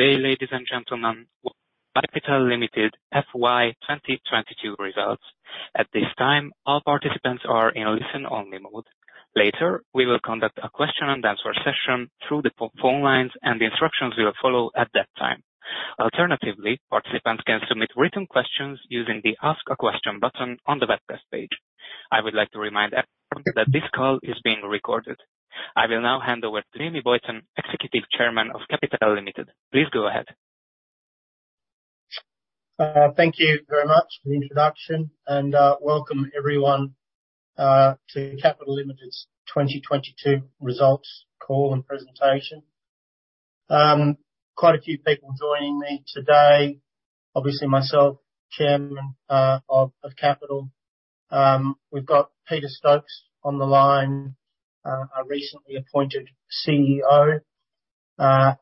Good day, ladies and gentlemen. Capital Limited FY 2022 results. At this time, all participants are in a listen-only mode. Later, we will conduct a question-and-answer session through the phone lines, and the instructions will follow at that time. Alternatively, participants can submit written questions using the Ask a Question button on the webcast page. I would like to remind everyone that this call is being recorded. I will now hand over to Jamie Boyton, Executive Chairman of Capital Limited. Please go ahead. Thank you very much for the introduction, welcome everyone to Capital Limited's 2022 results call and presentation. Quite a few people joining me today. Obviously myself, Chairman of Capital. We've got Peter Stokes on the line, our recently appointed CEO.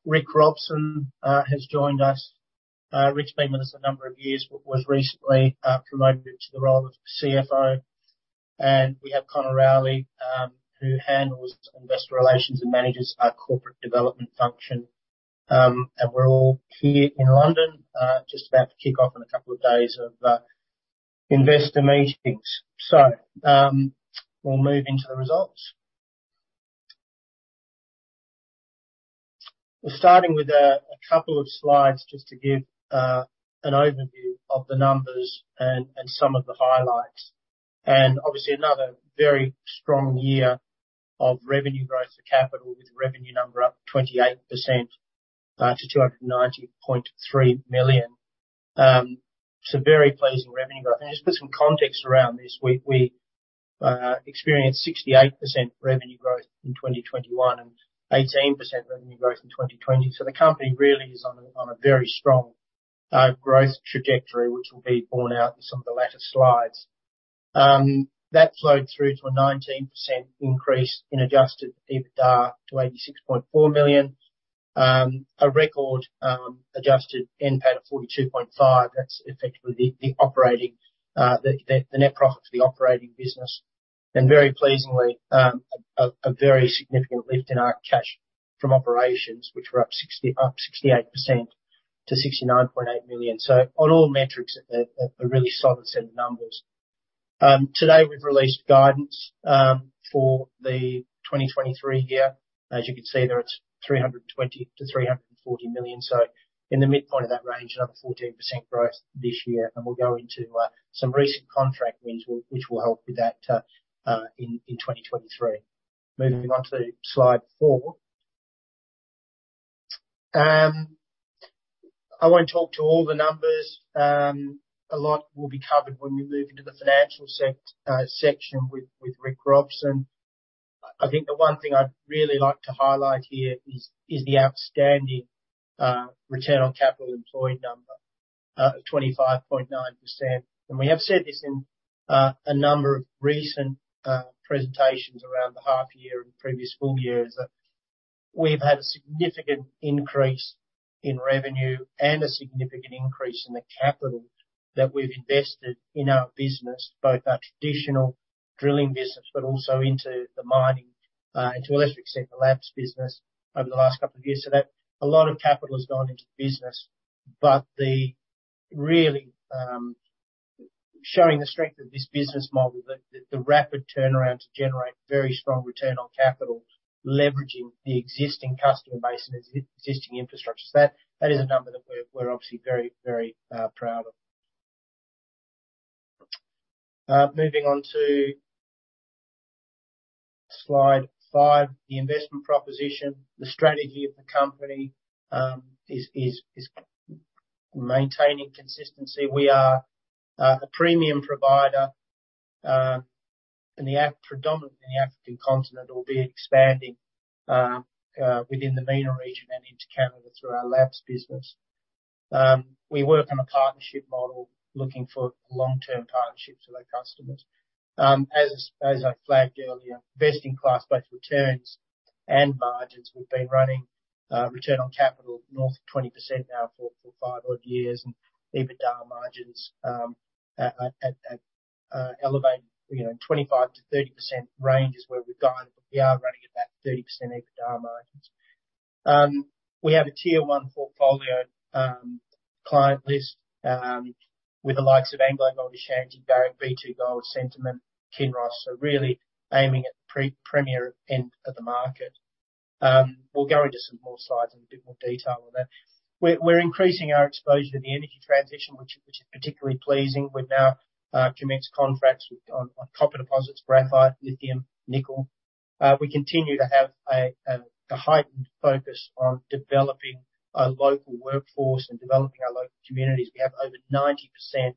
Rick Robson has joined us. Rick's been with us a number of years but was recently promoted to the role of CFO. We have Conor Rowley, who handles investor relations and manages our corporate development function. We're all here in London, just about to kick off in a couple of days of investor meetings. We'll move into the results. We're starting with a couple of slides just to give an overview of the numbers and some of the highlights. Obviously another very strong year of revenue growth for Capital, with the revenue number up 28%, to $290.3 million. It's a very pleasing revenue growth. Just to put some context around this, we experienced 68% revenue growth in 2021 and 18% revenue growth in 2020. The company really is on a very strong growth trajectory, which will be borne out in some of the latter slides. That flowed through to a 19% increase in Adjusted EBITDA to $86.4 million. A record Adjusted NPAT of $42.5 million. That's effectively the operating net profit for the operating business. Very pleasingly, a very significant lift in our cash from operations, which were up 68% to $69.8 million. On all metrics, a really solid set of numbers. Today we've released guidance for the 2023 year. As you can see there, it's $320 million-$340 million. In the midpoint of that range, another 14% growth this year, and we'll go into some recent contract wins which will help with that in 2023. Moving on to slide four. I won't talk to all the numbers. A lot will be covered when we move into the financial section with Rick Robson. I think the one thing I'd really like to highlight here is the outstanding return on capital employed number of 25.9%. We have said this in a number of recent presentations around the half year and previous full year, is that we've had a significant increase in revenue and a significant increase in the capital that we've invested in our business, both our traditional drilling business but also into the mining, to a lesser extent, the labs business over the last couple of years. A lot of capital has gone into the business. The really showing the strength of this business model, the rapid turnaround to generate very strong return on capital, leveraging the existing customer base and existing infrastructure. That is a number that we're obviously very, very proud of. Moving on to slide five, the investment proposition. The strategy of the company is maintaining consistency. We are a premium provider predominantly in the African continent, albeit expanding within the MENA region and into Canada through our labs business. We work on a partnership model, looking for long-term partnerships with our customers. As I flagged earlier, best-in-class both returns and margins. We've been running return on capital north of 20% now for five odd years, and EBITDA margins at elevated. You know, 25%-30% range is where we've gone, but we are running at about 30% EBITDA margins. We have a Tier 1 portfolio client list with the likes of AngloGold Ashanti, Barrick, B2Gold, Centamin, Kinross. Really aiming at the pre-premier end of the market. We'll go into some more slides and a bit more detail on that. We're increasing our exposure to the energy transition, which is particularly pleasing. We've now commenced contracts on copper deposits, graphite, lithium, nickel. We continue to have a heightened focus on developing a local workforce and developing our local communities. We have over 90%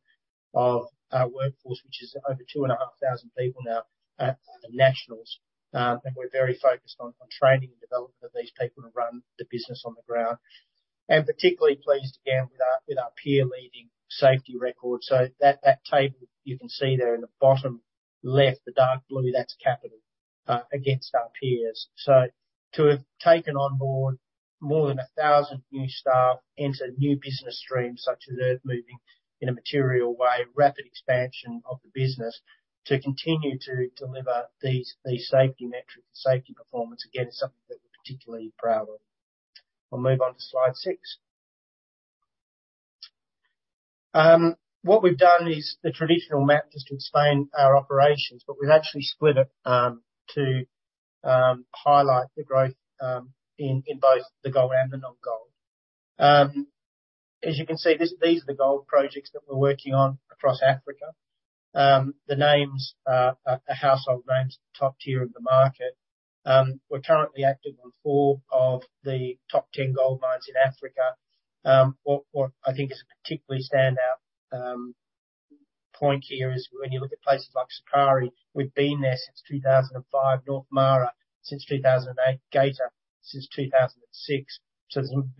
of our workforce, which is over 2,500 people now, are nationals. And we're very focused on training and development of these people to run the business on the ground. Particularly pleased again with our peer-leading safety record. That table you can see there in the bottom left, the dark blue, that's Capital against our peers. To have taken on board more than 1,000 new staff into new business streams, such as earthmoving, in a material way, rapid expansion of the business to continue to deliver these safety metrics and safety performance, again, is something that we're particularly proud of. We'll move on to slide six. What we've done is the traditional map just to explain our operations, but we've actually split it to highlight the growth in both the gold and the non-gold. As you can see, these are the gold projects that we're working on across Africa. The names are household names, top tier of the market. We're currently active on four of the top 10 gold mines in Africa. What I think is a particularly stand out point here is when you look at places like Sukari, we've been there since 2005, North Mara since 2008, Gator since 2006. In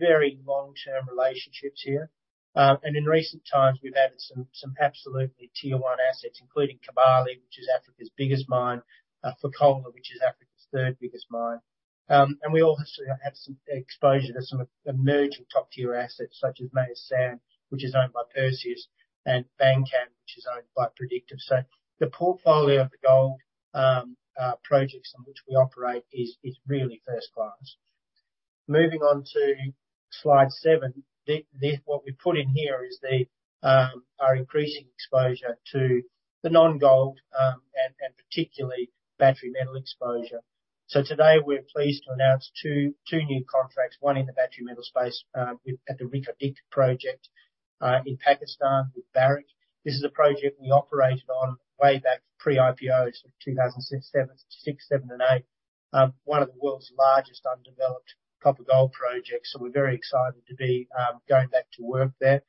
recent times, we've added some absolutely Tier 1 assets, including Kibali, which is Africa's biggest mine, Fekola, which is Africa's third biggest mine. We also have some exposure to some emerging top-tier assets such as Meyas Sand, which is owned by Perseus, and Bankan, which is owned by Predictive. The portfolio of the gold projects on which we operate is really first class. Moving on to slide seven. What we put in here is the our increasing exposure to the non-gold and particularly battery metal exposure. today, we're pleased to announce two new contracts, one in the battery metal space, at the Reko Diq project in Pakistan with Barrick. This is a project we operated on way back pre-IPO, so 2006, 2007, and 2008. one of the world's largest undeveloped copper gold projects. we're very excited to be going back to work there.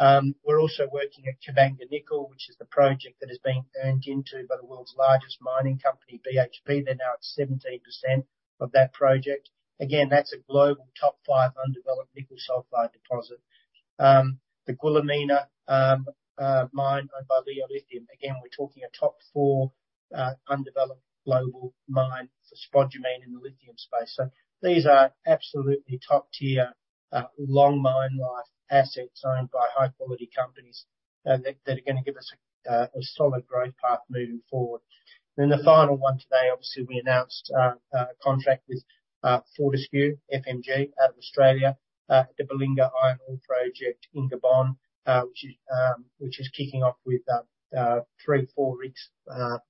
We're also working at Kabanga Nickel, which is the project that is being earned into by the world's largest mining company, BHP. They're now at 17% of that project. Again, that's a global top five undeveloped nickel sulfide deposit. the Goulamina mine owned by Leo Lithium. Again, we're talking a top four undeveloped global mine for spodumene in the lithium space. These are absolutely top-tier, long mine life assets owned by high-quality companies that are gonna give us a solid growth path moving forward. The final one today, obviously, we announced a contract with Fortescue FMG out of Australia, the Belinga Iron Ore Project in Gabon, which is kicking off with three, four rigs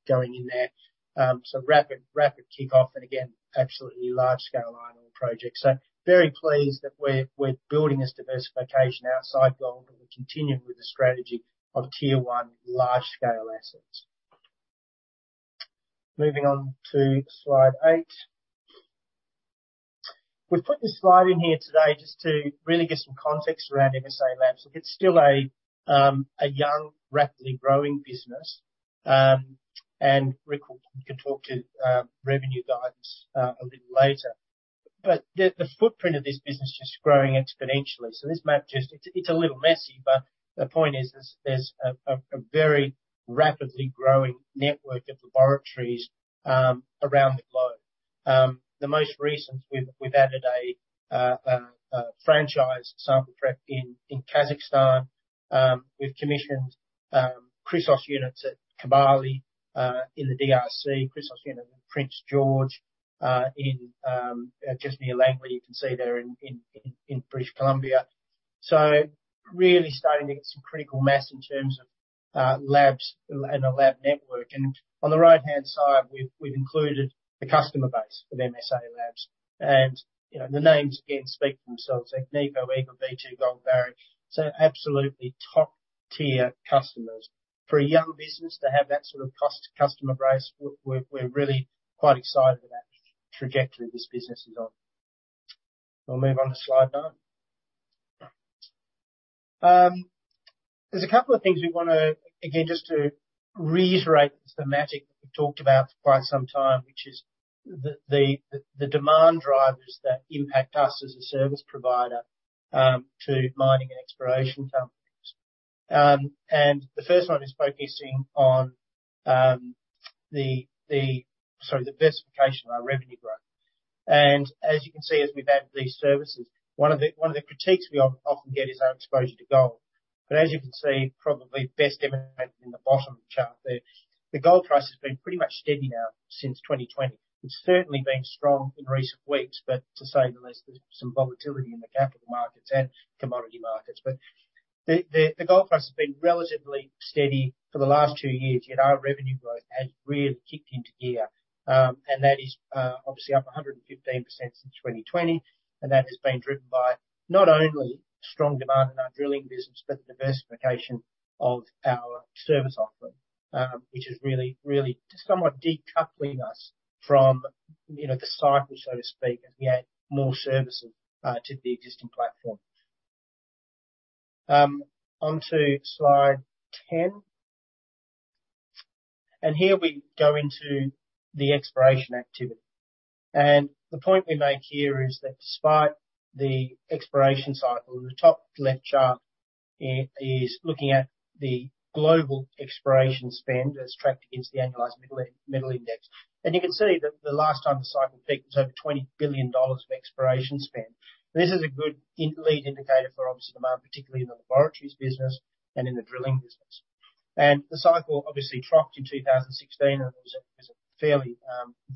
going in there. Rapid kickoff and again, absolutely large scale iron ore project. Very pleased that we're building this diversification outside gold, and we're continuing with the strategy of Tier 1 large-scale assets. Moving on to slide eight. We put this slide in here today just to really get some context around MSALABS. Look, it's still a young, rapidly growing business. Rick can talk to revenue guidance a little later. The footprint of this business is just growing exponentially. This map just... It's a little messy, but the point is there's a very rapidly growing network of laboratories around the globe. The most recent, we've added a franchise sample prep in Kazakhstan. We've commissioned Chrysos units at Kibali in the DRC, Chrysos unit in Prince George in just near Langley, you can see there in British Columbia. Really starting to get some critical mass in terms of labs and a lab network. On the right-hand side, we've included the customer base of MSALABS. You know, the names again speak for themselves. Agnico, Eva, B2Gold, Barrick. Absolutely top-tier customers. For a young business to have that sort of cost customer base, we're really quite excited for that trajectory this business is on. We'll move on to slide nine. There's a couple of things we wanna, again, just to reiterate the thematic that we've talked about for quite some time, which is the demand drivers that impact us as a service provider to mining and exploration companies. The first one is focusing on the diversification of our revenue growth. As you can see, probably best evident in the bottom chart there, the gold price has been pretty much steady now since 2020. It's certainly been strong in recent weeks, to say the least, there's some volatility in the capital markets and commodity markets. The gold price has been relatively steady for the last two years, yet our revenue growth has really kicked into gear. That is obviously up 115% since 2020, and that has been driven by not only strong demand in our drilling business, but the diversification of our service offering, which is really somewhat decoupling us from, you know, the cycle, so to speak, as we add more services to the existing platform. Onto slide 10. Here we go into the exploration activity. The point we make here is that despite the exploration cycle, the top left chart is looking at the global exploration spend as tracked against the annualized metal index. You can see that the last time the cycle peaked was over $20 billion of exploration spend. This is a good lead indicator for obviously demand, particularly in the laboratories business and in the drilling business. The cycle obviously dropped in 2016, and it was a fairly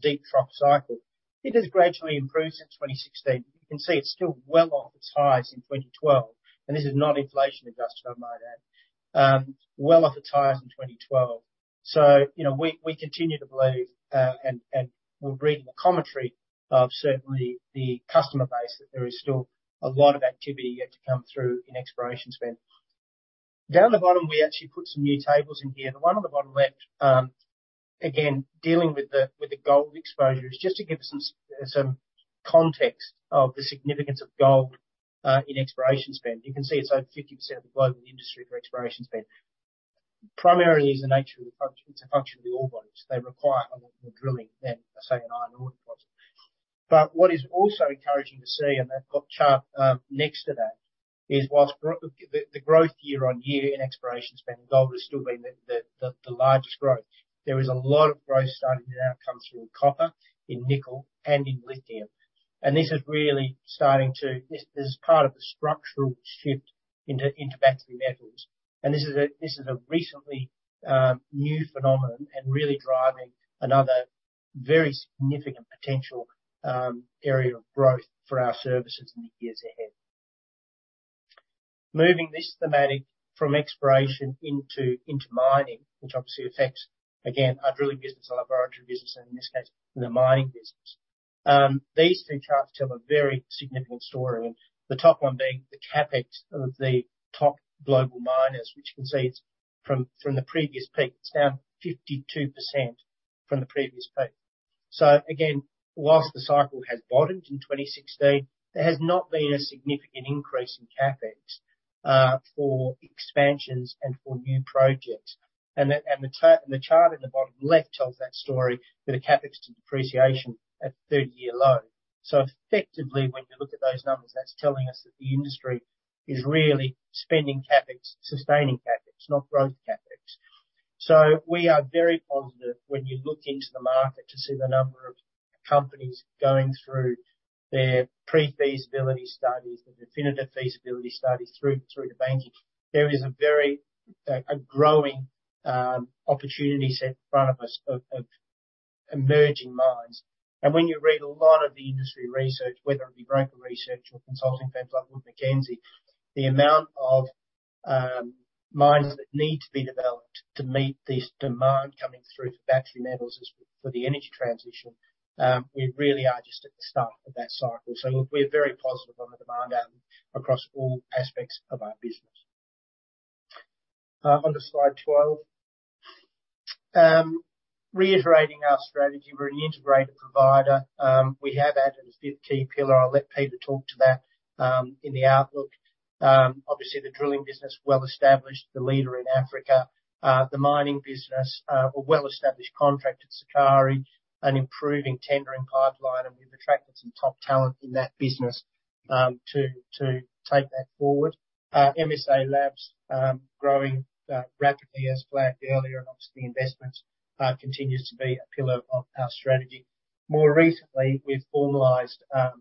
deep trough cycle. It has gradually improved since 2016. You can see it's still well off its highs in 2012, and this is not inflation-adjusted, I might add. Well off its highs in 2012. You know, we continue to believe, and we're reading the commentary of certainly the customer base, that there is still a lot of activity yet to come through in exploration spend. Down the bottom, we actually put some new tables in here. The one on the bottom left, again, dealing with the gold exposure is just to give some context of the significance of gold, in exploration spend. You can see it's over 50% of the global industry for exploration spend. Primarily is the nature of the function. It's a function of the ore bodies. They require a lot more drilling than, say, an iron ore deposit. What is also encouraging to see, and we've got chart next to that, is whilst the growth year-on-year in exploration spend in gold has still been the largest growth. There is a lot of growth starting to now come through in copper, in nickel, and in lithium. This is part of the structural shift into battery metals. This is a recently new phenomenon and really driving another very significant potential area of growth for our services in the years ahead. Moving this thematic from exploration into mining, which obviously affects, again, our drilling business, our laboratory business and in this case, the mining business. These two charts tell a very significant story. The top one being the CapEx of the top global miners, which you can see it's from the previous peak. It's down 52% from the previous peak. Again, whilst the cycle has bottomed in 2016, there has not been a significant increase in CapEx for expansions and for new projects. The chart at the bottom left tells that story with the CapEx to depreciation at 30-year low. Effectively, when you look at those numbers, that's telling us that the industry is really spending CapEx, sustaining CapEx, not growth CapEx. We are very positive when you look into the market to see the number of companies going through their pre-feasibility studies, the definitive feasibility studies through to banking. There is a very growing opportunity set in front of us of emerging mines. When you read a lot of the industry research, whether it be broker research or consulting firms like Wood Mackenzie, the amount of mines that need to be developed to meet this demand coming through for battery metals for the energy transition, we really are just at the start of that cycle. Look, we're very positive on the demand outlook across all aspects of our business. Onto slide 12. Reiterating our strategy. We're an integrated provider. We have added a fifth key pillar. I'll let Peter talk to that in the outlook. Obviously, the drilling business, well-established, the leader in Africa. The mining business, a well-established contract at Sukari, an improving tendering pipeline, and we've attracted some top talent in that business to take that forward. MSA Labs, growing rapidly as flagged earlier, and obviously investments continues to be a pillar of our strategy. More recently, we've formalized a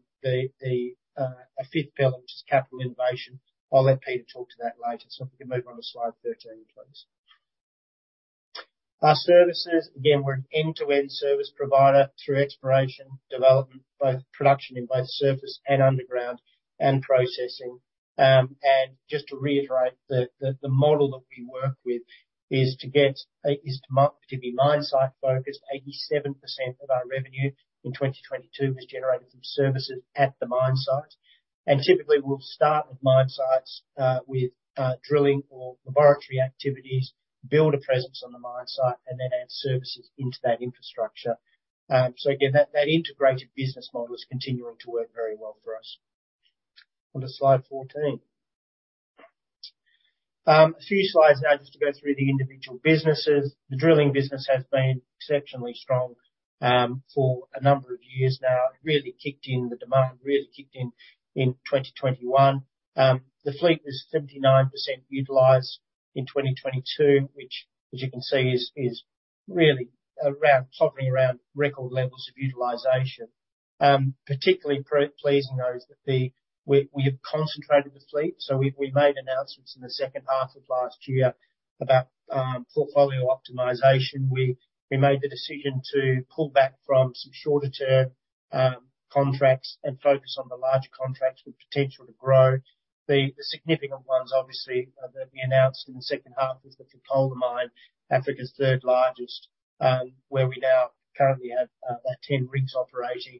fifth pillar, which is Capital Innovation. I'll let Peter talk to that later. If we can move on to slide 13, please. Our services. Again, we're an end-to-end service provider through exploration, development, both production in both surface and underground and processing. Just to reiterate, the model that we work with is to get to be mine site-focused. 87% of our revenue in 2022 was generated from services at the mine site. Typically, we'll start with mine sites with drilling or laboratory activities, build a presence on the mine site and then add services into that infrastructure. Again, that integrated business model is continuing to work very well for us. Onto slide 14. A few slides now just to go through the individual businesses. The drilling business has been exceptionally strong for a number of years now. It really kicked in, the demand really kicked in in 2021. The fleet was 79% utilized in 2022, which as you can see is really around, hovering around record levels of utilization. Particularly pleasing though is that we have concentrated the fleet. We made announcements in the second half of last year about portfolio optimization. We made the decision to pull back from some shorter-term contracts and focus on the larger contracts with potential to grow. The significant ones obviously that we announced in the second half was the Pitole Mine, Africa's third largest, where we now currently have about 10 rigs operating.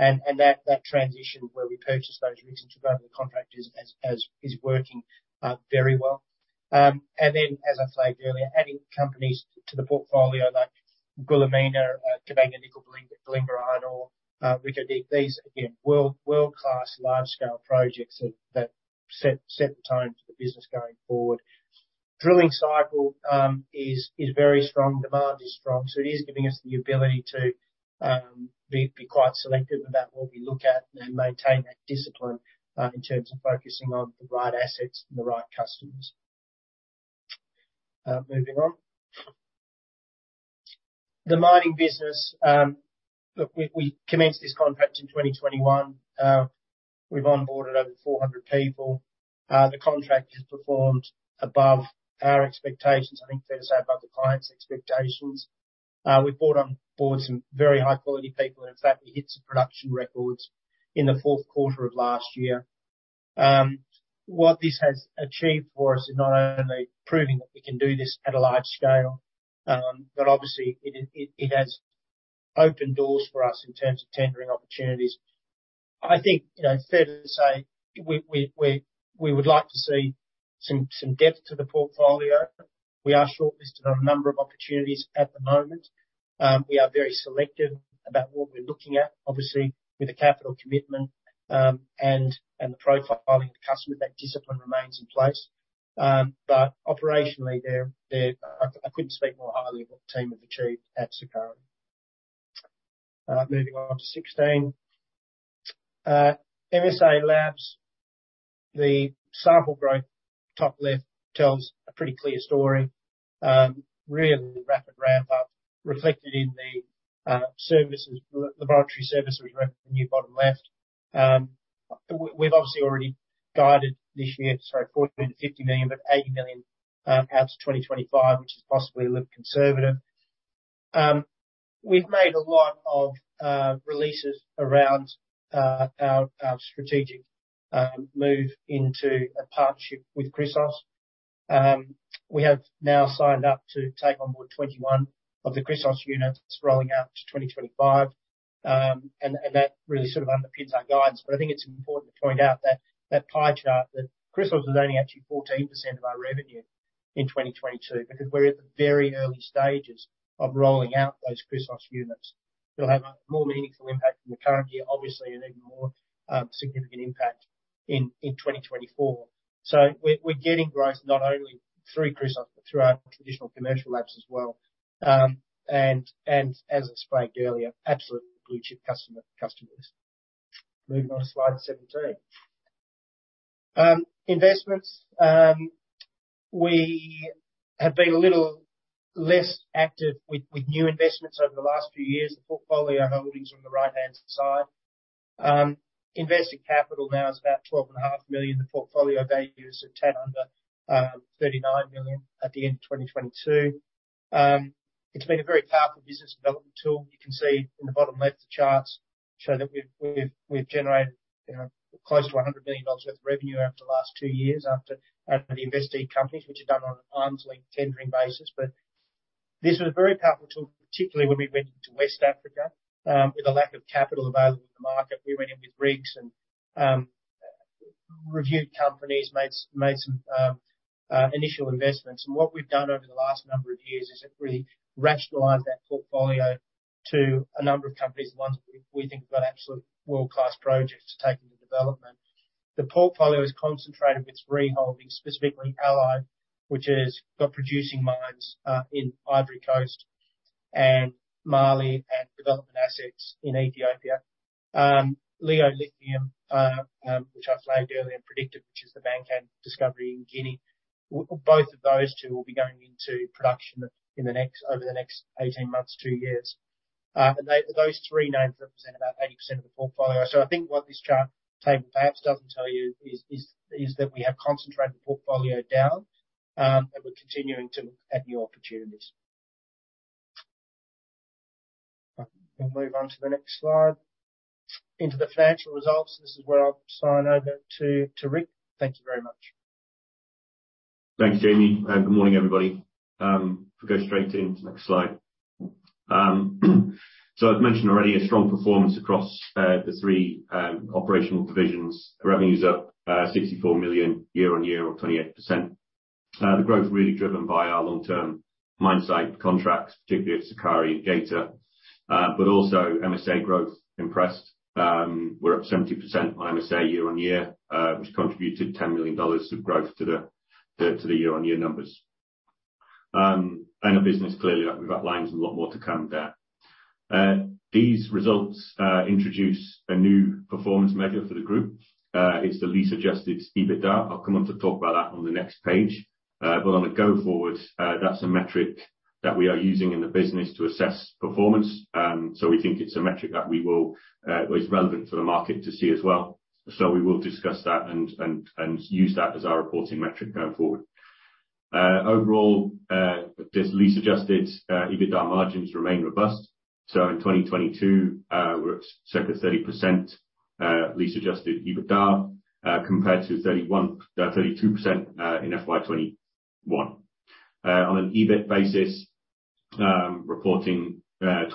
That transition where we purchased those rigs into government contract is working very well. As I flagged earlier, adding companies to the portfolio like Goulamina, Kabanga Nickel, Belinga Iron Ore, Wickedy. These, again, world-class large scale projects that set the tone for the business going forward. Drilling cycle is very strong. Demand is strong. It is giving us the ability to be quite selective about what we look at and maintain that discipline in terms of focusing on the right assets and the right customers. Moving on. The mining business, look, we commenced this contract in 2021. We've onboarded over 400 people. The contract has performed above our expectations. I think, fair to say, above the client's expectations. We've brought on board some very high quality people, and in fact, we hit some production records in the fourth quarter of last year. What this has achieved for us is not only proving that we can do this at a large scale, but obviously it has opened doors for us in terms of tendering opportunities. I think, you know, fair to say, we would like to see some depth to the portfolio. We are shortlisted on a number of opportunities at the moment. We are very selective about what we're looking at, obviously, with the capital commitment, and the profiling of the customer. That discipline remains in place. Operationally, I couldn't speak more highly of what the team have achieved at Sukari. Moving on to 16. MSALABS, the sample growth, top left, tells a pretty clear story. Really rapid ramp up reflected in the services, laboratory services reflected in the new bottom left. We've obviously already guided this year, sorry, $14 million-$50 million, but $80 million out to 2025, which is possibly a little conservative. We've made a lot of releases around our strategic move into a partnership with Chrysos. We have now signed up to take on board 21 of the Chrysos units rolling out to 2025. That really sort of underpins our guidance. I think it's important to point out that that pie chart, that Chrysos was only actually 14% of our revenue in 2022 because we're at the very early stages of rolling out those Chrysos units. It'll have a more meaningful impact in the current year, obviously, and even more significant impact in 2024. We're getting growth not only through Chrysos, but through our traditional commercial labs as well. As I explained earlier, absolutely blue chip customer, customers. Moving on to slide 17. Investments. We have been a little less active with new investments over the last few years. The portfolio holdings on the right-hand side. Invested capital now is about $12.5 million. The portfolio value is at $10 under $39 million at the end of 2022. It's been a very powerful business development tool. You can see in the bottom left charts show that we've generated, you know, close to $100 million worth of revenue over the last two years after the investee companies, which is done on an arm's length tendering basis. This was a very powerful tool, particularly when we went into West Africa with a lack of capital available in the market. We went in with rigs and reviewed companies, made some initial investments. What we've done over the last number of years is really rationalized that portfolio to a number of companies, ones we think have got absolute world-class projects to take into development. The portfolio is concentrated with three holdings, specifically Allied, which has got producing mines, in Ivory Coast and Mali, and development assets in Ethiopia. Leo Lithium, which I flagged earlier, and Predictive Discovery, which is the Bankan discovery in Guinea. Well, both of those two will be going into production over the next 18 months, two years. Those three names represent about 80% of the portfolio. I think what this chart table perhaps doesn't tell you is that we have concentrated the portfolio down, and we're continuing to look at new opportunities. We'll move on to the next slide into the financial results. This is where I'll sign over to Rick. Thank you very much. Thanks, Jamie. Good morning, everybody. We'll go straight into the next slide. I've mentioned already a strong performance across the three operational divisions. Revenues up $64 million year-over-year or 28%. The growth really driven by our long-term mine site contracts, particularly at Sukari and Gator. Also MSA growth impressed. We're up 70% on MSA year-over-year, which contributed $10 million of growth to the year-over-year numbers. A business clearly that we've got lines and a lot more to come there. These results introduce a new performance measure for the group. It's the lease-Adjusted EBITDA. I'll come on to talk about that on the next page. On a go forward, that's a metric that we are using in the business to assess performance. We think it's a metric that we will or is relevant for the market to see as well. We will discuss that and use that as our reporting metric going forward. Overall, this lease-Adjusted EBITDA margins remain robust. In 2022, we're at circa 30% lease-Adjusted EBITDA, compared to 31%, 32% in FY 2021. On an EBIT basis, reporting 21%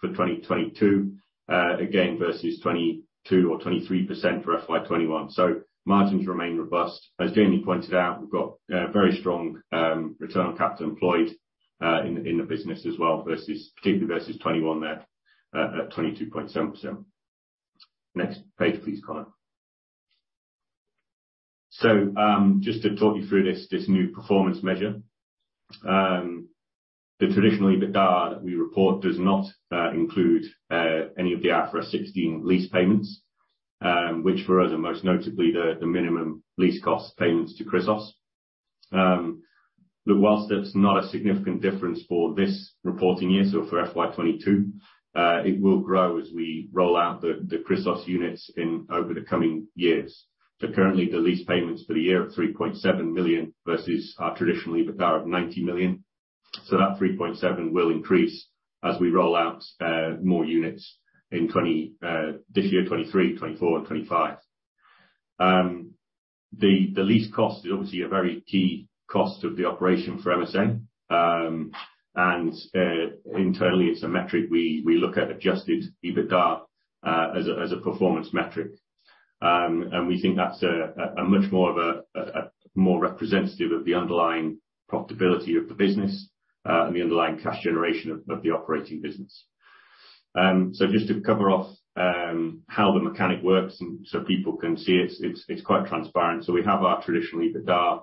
for 2022, again versus 22% or 23% for FY 2021. Margins remain robust. As Jamie pointed out, we've got a very strong return on capital employed in the business as well versus particularly versus 2021 there, at 22.7%. Next page, please, Conor. Just to talk you through this new performance measure. The traditional EBITDA that we report does not include any of the IFRS 16 lease payments. Which for us are most notably the minimum lease cost payments to Chrysos. Look, whilst that's not a significant difference for this reporting year, so for FY 2022, it will grow as we roll out the Chrysos units over the coming years. Currently, the lease payments for the year are $3.7 million versus our traditional EBITDA of $90 million. That 3.7 will increase as we roll out more units in 2023, 2024 and 2025. The lease cost is obviously a very key cost of the operation for MSM. And internally, it's a metric we look at Adjusted EBITDA as a performance metric. And we think that's a much more of a more representative of the underlying profitability of the business and the underlying cash generation of the operating business. Just to cover off how the mechanic works and so people can see it's quite transparent. We have our traditional EBITDA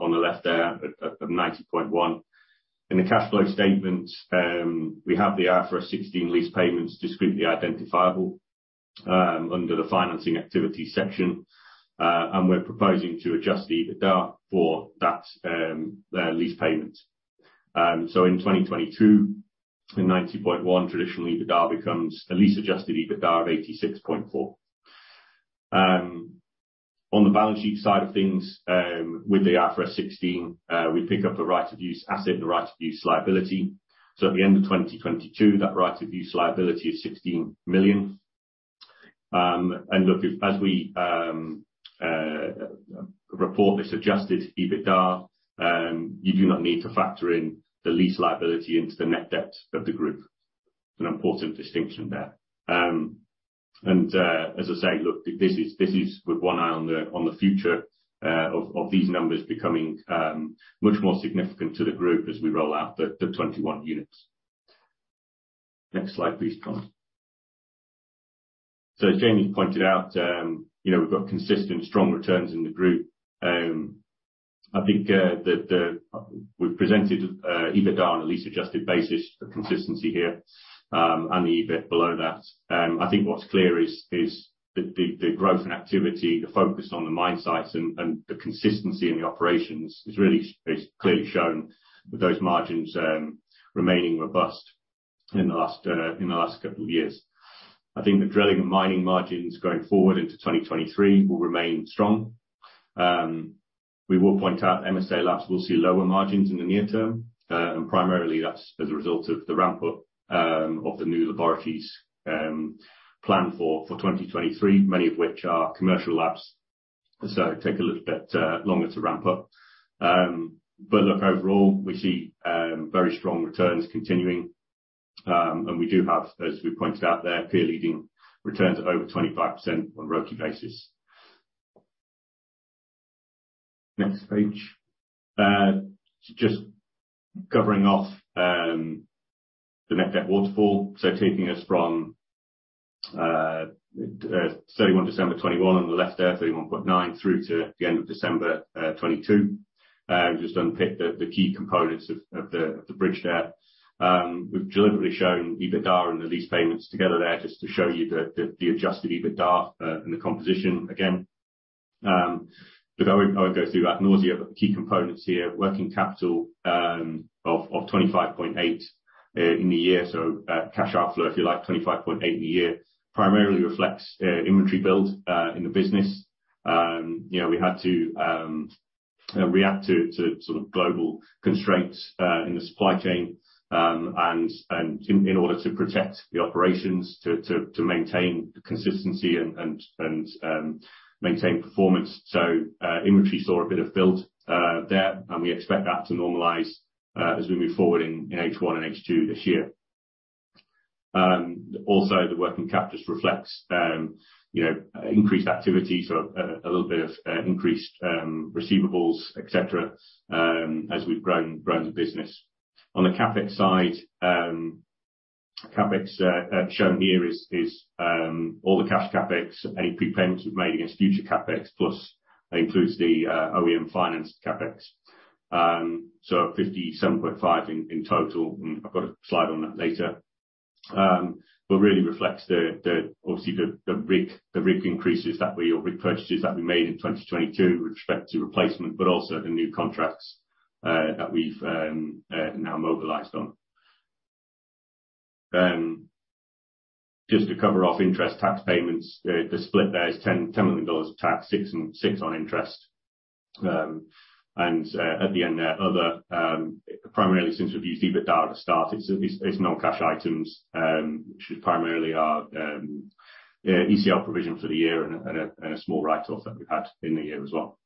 on the left there at $90.1. In the cash flow statement, we have the IFRS 16 lease payments discretely identifiable under the financing activity section. We're proposing to adjust the EBITDA for that lease payment. In 2022, the $90.1 traditional EBITDA becomes a lease-Adjusted EBITDA of $86.4. On the balance sheet side of things, with the IFRS 16, we pick up a right-to-use asset and a right-to-use liability. At the end of 2022, that right-to-use liability is $16 million. As we report this Adjusted EBITDA, you do not need to factor in the lease liability into the net debt of the group. An important distinction there. As I say, this is with one eye on the future of these numbers becoming much more significant to the group as we roll out the 21 units. Next slide, please, Conor. As Jamie pointed out, you know, we've got consistent strong returns in the group. I think, We've presented EBITDA on a lease adjusted basis for consistency here, and the EBIT below that. I think what's clear is the growth in activity, the focus on the mine sites and the consistency in the operations is clearly shown with those margins, remaining robust in the last couple of years. I think the drilling and mining margins going forward into 2023 will remain strong. We will point out MSALABS will see lower margins in the near term, primarily that's as a result of the ramp up of the new laboratories planned for 2023, many of which are commercial labs, so take a little bit longer to ramp up. Look, overall, we see very strong returns continuing. We do have, as we pointed out there, peer-leading returns of over 25% on a ROCE basis. Next page. Just covering off the net debt waterfall. Taking us from 31 December 2021 on the left there, $31.9, through to the end of December 2022. Just unpick the key components of the bridge there. We've deliberately shown EBITDA and the lease payments together there just to show you the Adjusted EBITDA and the composition again. Look, I won't, I won't go through that nausea, but the key components here, working capital of $25.8 in the year. Cash outflow, if you like, $25.8 in the year primarily reflects inventory build in the business. You know, we had to react to sort of global constraints in the supply chain and in order to protect the operations, to maintain consistency and maintain performance. Inventory saw a bit of build there, and we expect that to normalize as we move forward in H1 and H2 this year. Also the working capital just reflects, you know, increased activity, so a little bit of increased receivables, et cetera, as we've grown the business. On the CapEx side, CapEx shown here is all the cash CapEx, any prepayments we've made against future CapEx, plus that includes the OEM financed CapEx. $57.5 million in total, and I've got a slide on that later. Really reflects obviously the rig increases or rig purchases that we made in 2022 with respect to replacement, but also the new contracts that we've now mobilized on. Just to cover off interest tax payments, the split there is $10 million of tax, $6 million on interest. At the end there, other, primarily since we've used EBITDA at the start, it's non-cash items, which is primarily our ECL provision for the year and small write-off that we've had in the year as well.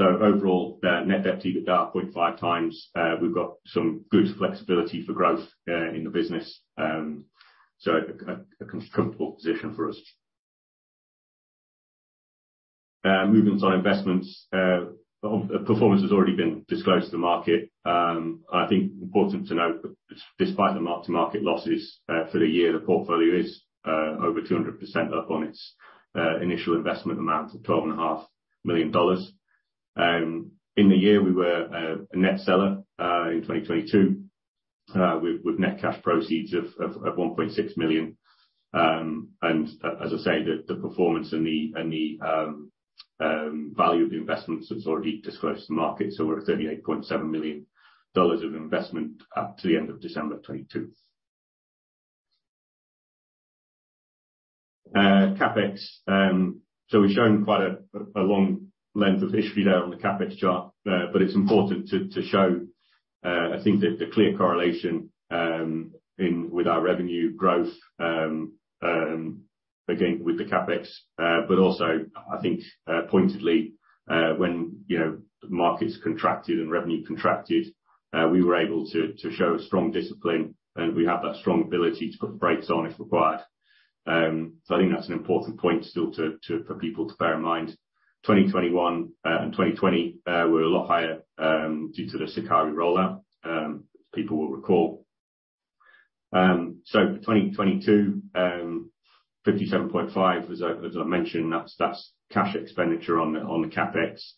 Overall, net debt-to-EBITDA at 0.5x. We've got some good flexibility for growth in the business. A comfortable position for us. Movements on investments. Performance has already been disclosed to the market. I think important to note that despite the mark-to-market losses for the year, the portfolio is over 200% up on its initial investment amount of $12.5 million. In the year, we were a net seller in 2022 with net cash proceeds of $1.6 million. As I said, the performance and the value of the investments is already disclosed to market. We're at $38.7 million of investment to the end of December of 2022. CapEx. We've shown quite a long length of history there on the CapEx chart. It's important to show, I think the clear correlation with our revenue growth, again, with the CapEx. Also, I think pointedly, when, you know, the markets contracted and revenue contracted, we were able to show a strong discipline, and we have that strong ability to put the brakes on if required. I think that's an important point still for people to bear in mind. 2021 and 2020 were a lot higher due to the Sukari rollout as people will recall. 2022, $57.5, that's cash expenditure on the CapEx.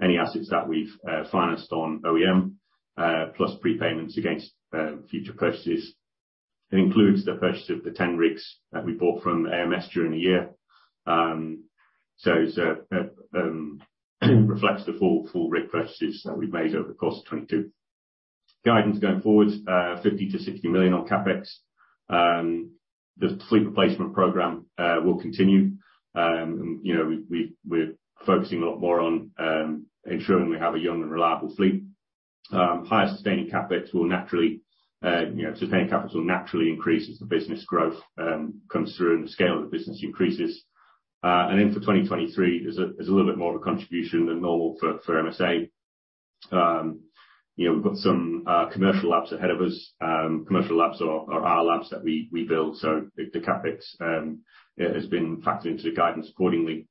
Any assets that we've financed on OEM, plus prepayments against future purchases. It includes the purchase of the 10 rigs that we bought from AMS during the year. It reflects the full rig purchases that we've made over the course of 2022. Guidance going forward, $50 million-$60 million on CapEx. The fleet replacement program will continue. You know, we're focusing a lot more on ensuring we have a young and reliable fleet. Higher sustaining CapEx will naturally, you know, sustaining capital will naturally increase as the business growth comes through and the scale of the business increases. For 2023, there's a little bit more of a contribution than normal for MSA. You know, we've got some commercial labs ahead of us. Commercial labs are labs that we build. The CapEx has been factored into the guidance accordingly.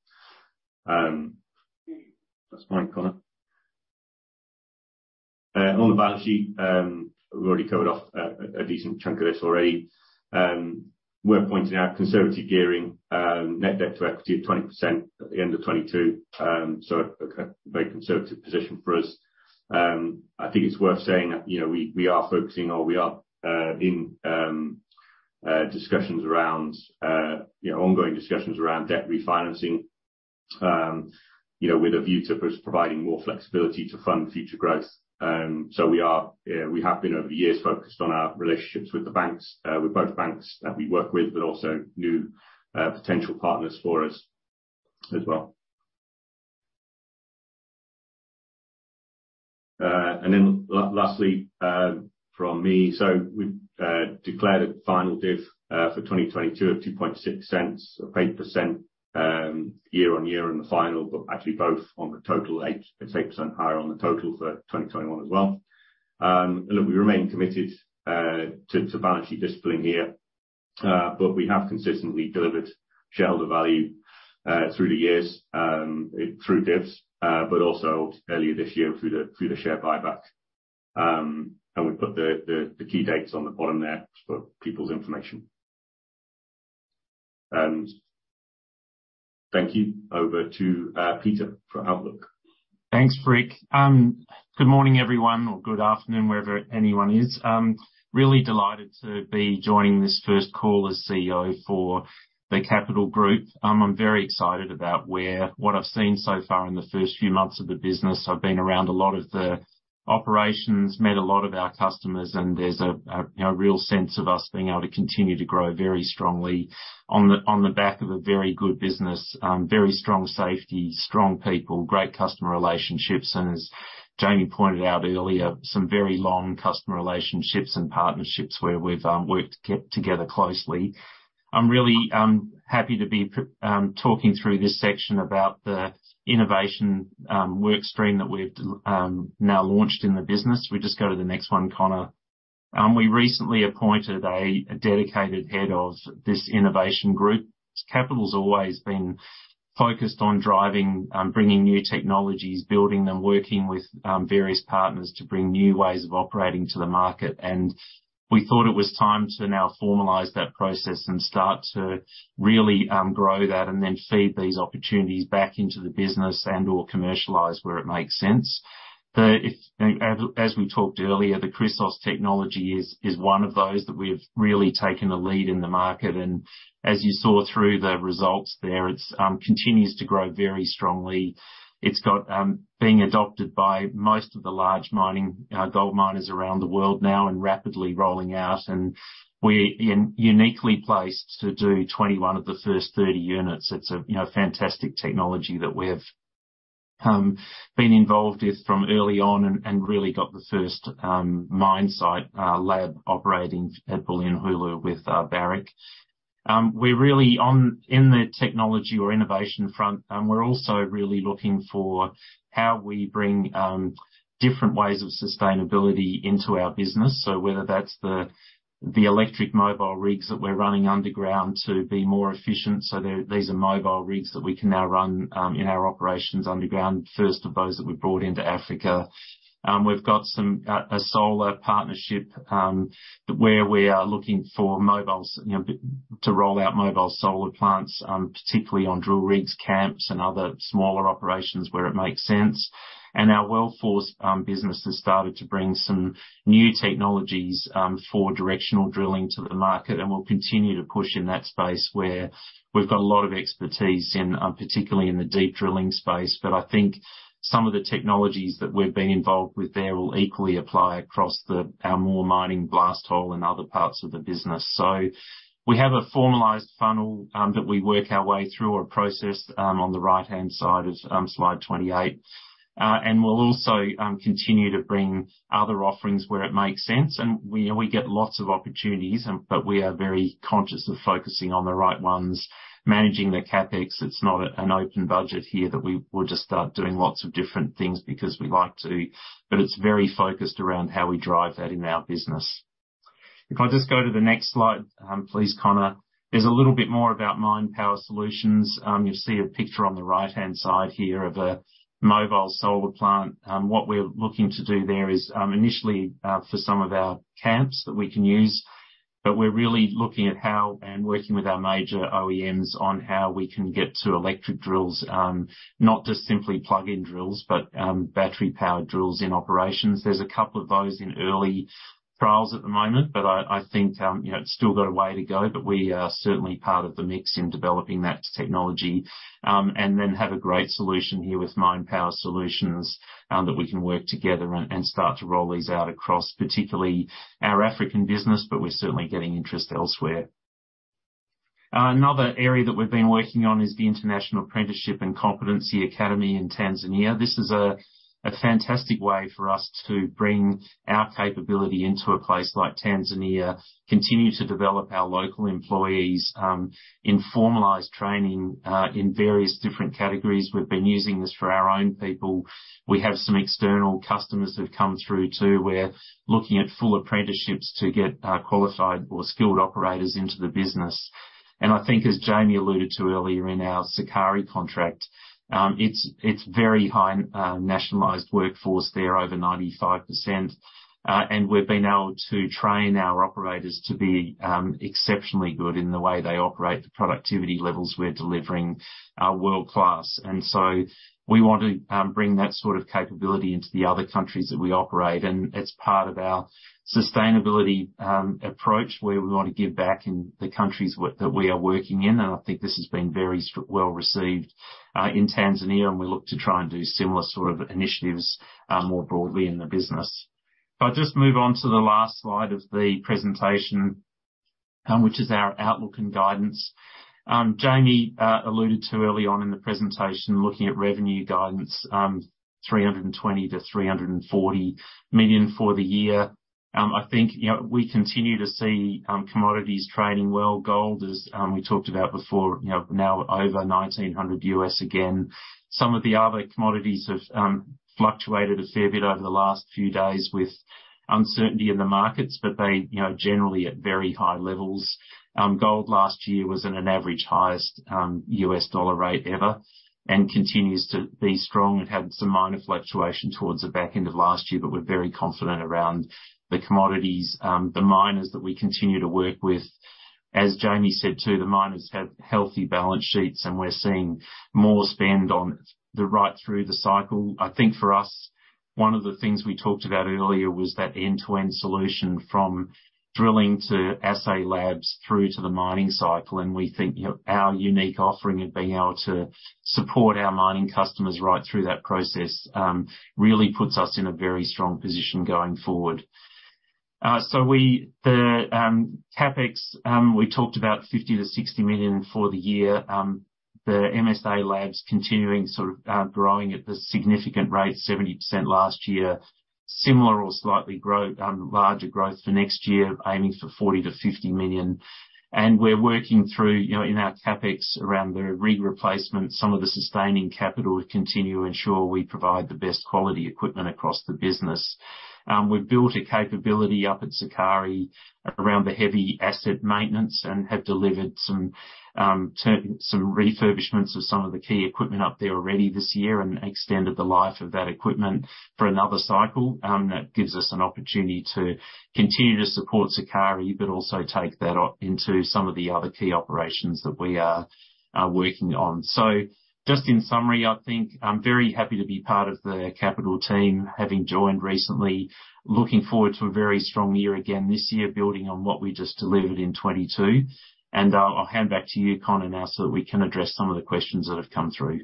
That's fine, Conor. On the balance sheet, we already covered off a decent chunk of this already. Worth pointing out conservative gearing, net debt to equity of 20% at the end of 2022. A very conservative position for us. I think it's worth saying that, you know, we are focusing or we are in discussions around, you know, ongoing discussions around debt refinancing, you know, with a view to us providing more flexibility to fund future growth. We are, we have been over the years focused on our relationships with the banks, with both banks that we work with, but also new potential partners for us as well. Lastly, from me. We've declared a final div for 2022 of $0.026, up 8% year-over-year on the final, but actually both on the total it's 8% higher on the total for 2021 as well. Look, we remain committed to balance sheet discipline here, but we have consistently delivered shareholder value through the years, through divs. Also earlier this year through the share buyback. We've put the key dates on the bottom there for people's information. Thank you. Over to Peter for outlook. Thanks, Rick. Good morning, everyone, or good afternoon, wherever anyone is. really delighted to be joining this first call as CEO for the Capital Group. I'm very excited about what I've seen so far in the first few months of the business. I've been around a lot of the operations, met a lot of our customers, and there's a, you know, real sense of us being able to continue to grow very strongly on the back of a very good business, very strong safety, strong people, great customer relationships, and as Jamie pointed out earlier, some very long customer relationships and partnerships where we've worked together closely. I'm really happy to be talking through this section about the innovation work stream that we've now launched in the business. We just go to the next one, Conor. We recently appointed a dedicated head of this innovation group. Capital's always been focused on driving bringing new technologies, building them, working with various partners to bring new ways of operating to the market. We thought it was time to now formalize that process and start to really grow that and then feed these opportunities back into the business and/or commercialize where it makes sense. As we talked earlier, the Chrysos technology is one of those that we've really taken a lead in the market. As you saw through the results there, it continues to grow very strongly. It's got being adopted by most of the large mining gold miners around the world now and rapidly rolling out. We're uniquely placed to do 21 of the first 30 units. It's a, you know, fantastic technology that we have been involved with from early on and really got the first mine site lab operating at Bulyanhulu with Barrick. We're really in the technology or innovation front, we're also really looking for how we bring different ways of sustainability into our business. Whether that's the electric mobile rigs that we're running underground to be more efficient. These are mobile rigs that we can now run in our operations underground, 1st of those that we've brought into Africa. We've got some, a solar partnership, where we are looking for mobiles, you know, to roll out mobile solar plants, particularly on drill rigs, camps and other smaller operations where it makes sense. Our Well Force business has started to bring some new technologies for directional drilling to the market, and we'll continue to push in that space where we've got a lot of expertise in particularly in the deep drilling space. I think some of the technologies that we've been involved with there will equally apply across our more mining blast hole in other parts of the business. We have a formalized funnel that we work our way through, or a process, on the right-hand side of slide 28. We'll also continue to bring other offerings where it makes sense. We get lots of opportunities but we are very conscious of focusing on the right ones, managing the CapEx. It's not an open budget here that we will just start doing lots of different things because we like to, but it's very focused around how we drive that in our business. If I just go to the next slide, please, Conor. There's a little bit more about Minepower Solutions. You'll see a picture on the right-hand side here of a mobile solar plant. What we're looking to do there is initially for some of our camps that we can use, but we're really looking at how and working with our major OEMs on how we can get to electric drills, not just simply plug-in drills, but battery-powered drills in operations. There's a couple of those in early trials at the moment, but I think, you know, it's still got a way to go. We are certainly part of the mix in developing that technology, and then have a great solution here with Minepower Solutions, that we can work together and start to roll these out across, particularly our African business, but we're certainly getting interest elsewhere. Another area that we've been working on is the International Apprenticeship and Competency Academy in Tanzania. This is a fantastic way for us to bring our capability into a place like Tanzania, continue to develop our local employees, in formalized training, in various different categories. We've been using this for our own people. We have some external customers that have come through too. We're looking at full apprenticeships to get qualified or skilled operators into the business. I think as Jamie alluded to earlier in our Sukari contract, it's very high nationalized workforce there over 95%. We've been able to train our operators to be exceptionally good in the way they operate. The productivity levels we're delivering are world-class. So we want to bring that sort of capability into the other countries that we operate. It's part of our sustainability approach, where we want to give back in the countries that we are working in. I think this has been very well received in Tanzania, and we look to try and do similar sort of initiatives more broadly in the business. If I just move on to the last slide of the presentation, which is our outlook and guidance. Jamie alluded to early on in the presentation, looking at revenue guidance, $320 million-$340 million for the year. I think, you know, we continue to see commodities trading well. Gold, as we talked about before, you know, now over $1,900 U.S. again. Some of the other commodities have fluctuated a fair bit over the last few days with uncertainty in the markets, but they, you know, generally at very high levels. Gold last year was at an average highest U.S. dollar rate ever and continues to be strong. It had some minor fluctuation towards the back end of last year, but we're very confident around the commodities, the miners that we continue to work with. As Jamie said too, the miners have healthy balance sheets, and we're seeing more spend on the right through the cycle. I think for us, one of the things we talked about earlier was that end-to-end solution from drilling to assay labs through to the mining cycle. We think, you know, our unique offering and being able to support our mining customers right through that process, really puts us in a very strong position going forward. The CapEx we talked about $50 million-$60 million for the year. The MSALABS continuing, sort of, growing at the significant rate, 70% last year. Similar or slightly larger growth for next year, aiming for $40 million-$50 million. We're working through, you know, in our CapEx around the rig replacement, some of the sustaining capital to continue to ensure we provide the best quality equipment across the business. We've built a capability up at Sukari around the heavy asset maintenance and have delivered some refurbishments of some of the key equipment up there already this year and extended the life of that equipment for another cycle. That gives us an opportunity to continue to support Sukari, but also take that into some of the other key operations that we are working on. Just in summary, I think I'm very happy to be part of the Capital team, having joined recently. Looking forward to a very strong year again this year, building on what we just delivered in 2022. I'll hand back to you, Conor, now so that we can address some of the questions that have come through.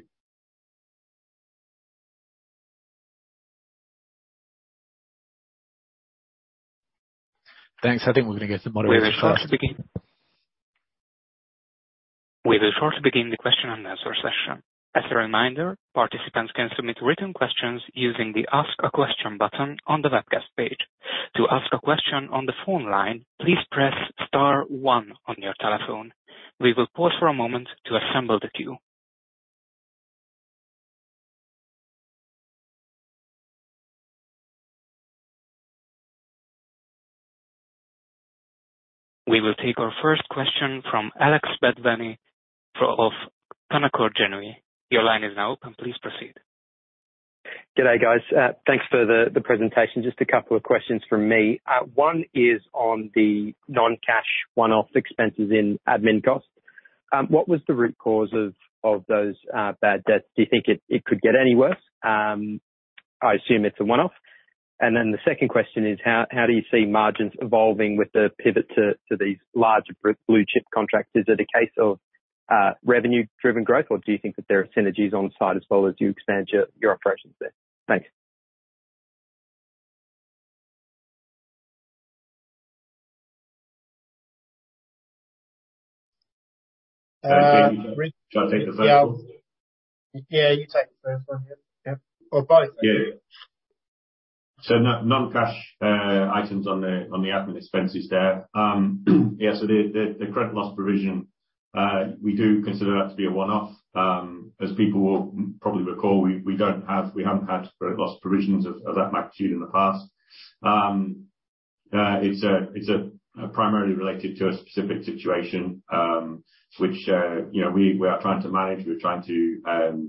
Thanks. I think we're gonna get. We will shortly begin. We will shortly begin the question and answer session. As a reminder, participants can submit written questions using the Ask a Question button on the webcast page. To ask a question on the phone line, please press star one on your telephone. We will pause for a moment to assemble the queue. We will take our first question from Alex Bedwany of Canaccord Genuity. Your line is now open. Please proceed. G'day, guys. Thanks for the presentation. Just a couple of questions from me. One is on the non-cash one-off expenses in admin costs. What was the root cause of those bad debts? Do you think it could get any worse? I assume it's a one-off. The second question is how do you see margins evolving with the pivot to these larger blue chip contracts? Is it a case of revenue-driven growth, or do you think that there are synergies on site as well as you expand your operations there? Thanks. Shall I take the first one? Yeah. Yeah, you take the first one. Yeah. Yeah. Both. Yeah, yeah. Non-cash items on the admin expenses there. Yeah, the credit loss provision, we do consider that to be a one-off. As people will probably recall, we haven't had credit loss provisions of that magnitude in the past. It's primarily related to a specific situation, you know, we are trying to manage. We're trying to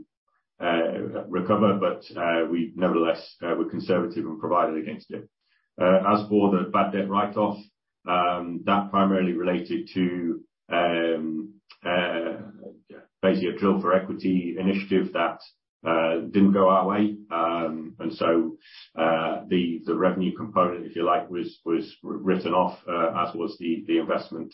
recover, but we nevertheless we're conservative and provided against it. As for the bad debt write-off, that primarily related to basically a drill for equity initiative that didn't go our way. The revenue component, if you like, was written off as was the investment.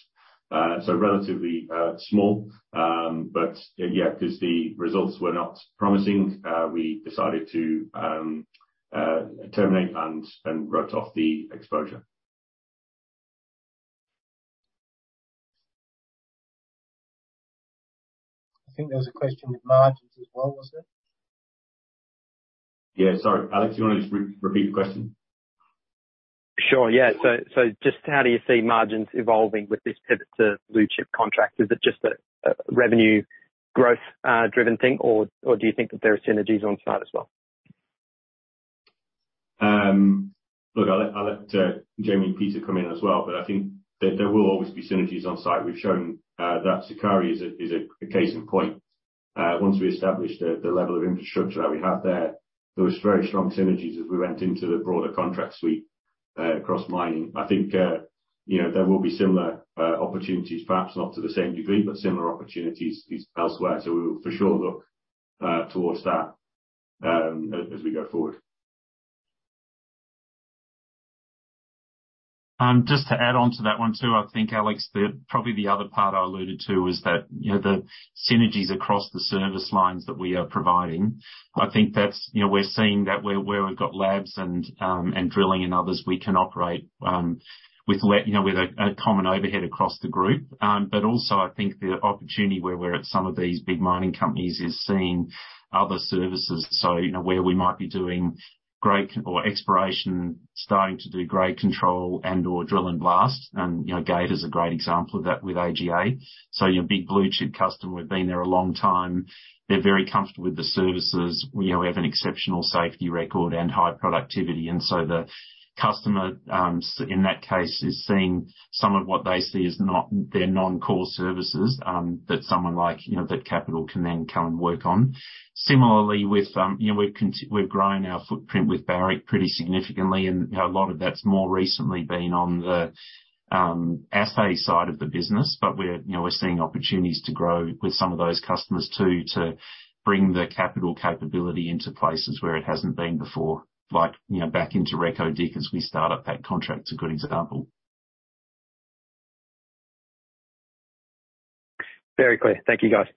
Relatively small. Yeah, because the results were not promising, we decided to terminate and wrote off the exposure. I think there was a question with margins as well. Was there? Yeah. Sorry. Alex, you wanna just re-repeat the question? Sure. Yeah. Just how do you see margins evolving with this pivot to blue chip contracts? Is it just a revenue growth driven thing, or do you think that there are synergies on site as well? Look, I'll let Jamie and Peter come in as well, but I think there will always be synergies on site. We've shown that Sukari is a case in point. Once we established the level of infrastructure that we have there was very strong synergies as we went into the broader contract suite across mining. I think, you know, there will be similar opportunities, perhaps not to the same degree, but similar opportunities elsewhere. We'll for sure look towards that as we go forward. Just to add on to that one, too. I think, Alex, probably the other part I alluded to is that, you know, the synergies across the service lines that we are providing. I think that's, you know, we're seeing that where we've got labs and drilling and others, we can operate, you know, with a common overhead across the group. Also I think the opportunity where we're at some of these big mining companies is seeing other services. You know, where we might be doing grade or exploration, starting to do grade control and/or drill and blast. Gator is a great example of that with AGA. You know, big blue chip customer. We've been there a long time. They're very comfortable with the services. You know, we have an exceptional safety record and high productivity. The customer in that case is seeing some of what they see as not their non-core services, that someone like, you know, that Capital can then come and work on. Similarly with, you know, we're growing our footprint with Barrick pretty significantly, and, you know, a lot of that's more recently been on the assay side of the business. We're, you know, we're seeing opportunities to grow with some of those customers, too, to bring the Capital capability into places where it hasn't been before. Like, you know, back into Reko Diq as we start up that contract, is a good example. Very clear. Thank you, guys.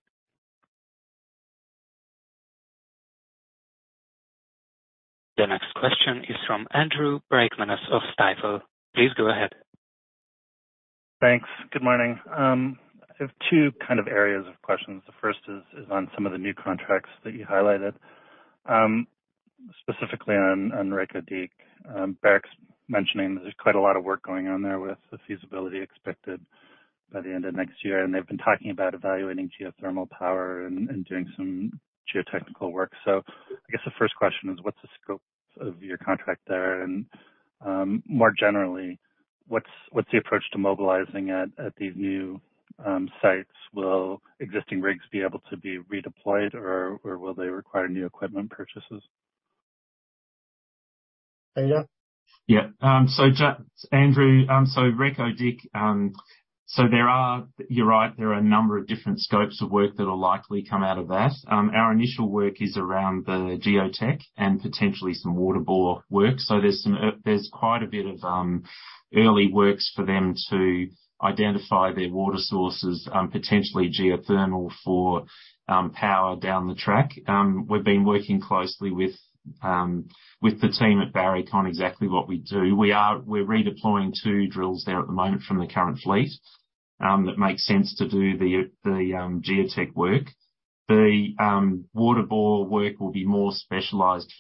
The next question is from Andrew Bridgman of Stifel. Please go ahead. Thanks. Good morning. I have two kind of areas of questions. The first is on some of the new contracts that you highlighted, specifically on Reko Diq. Barrick's mentioning that there's quite a lot of work going on there with the feasibility expected by the end of next year, and they've been talking about evaluating geothermal power and doing some geotechnical work. I guess the first question is, what's the scope of your contract there? More generally, what's the approach to mobilizing at these new sites? Will existing rigs be able to be redeployed or will they require new equipment purchases? Peter. Andrew, so Reko Diq, You're right, there are a number of different scopes of work that will likely come out of that. Our initial work is around the geotech and potentially some water bore work. There's quite a bit of early works for them to identify their water sources, potentially geothermal for power down the track. We've been working closely with the team at Barrick on exactly what we do. We're redeploying two drills there at the moment from the current fleet that makes sense to do the geotech work. The water bore work will be more specialized